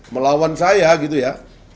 melawan saya gitu ya